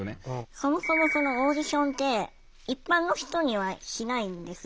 そもそもそのオーディションって一般の人にはしないんですよね？